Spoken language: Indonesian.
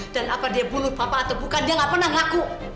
dan apa dia bunuh papa atau bukan dia gak pernah ngaku